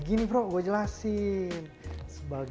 jadi kita harus memiliki kekuatan yang baik